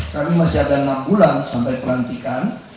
kami masih ada enam bulan sampai pelantikan